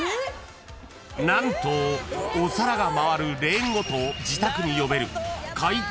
［何とお皿が回るレーンごと自宅に呼べる］